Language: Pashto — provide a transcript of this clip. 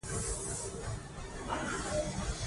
انسان به د ژوند په ټولو اړخو کښي ځان الهي لارښوونو ته تسلیموي.